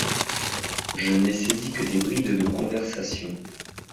Je n’ai saisi que des brides de conversation.